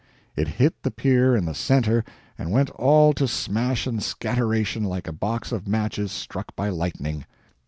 It hit the pier in the center and went all to smash and scatteration like a box of matches struck by lightning.